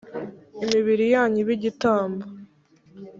imibiri yanyu ibe igitambo